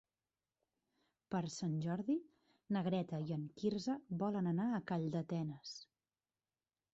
Per Sant Jordi na Greta i en Quirze volen anar a Calldetenes.